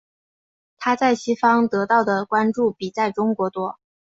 她在西方得到的关注比在中国多。